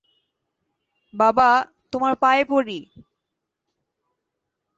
বাবা, তোমায় পায়ে পড়ি!